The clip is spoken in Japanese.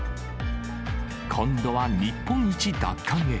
今度は日本一奪還へ。